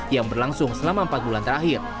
yang berlangsung selama empat bulan terakhir